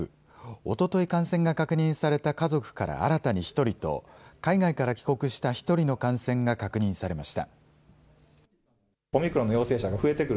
おととい、感染が確認された家族から新たに１人と、海外から帰国した１人の感染が確認されました。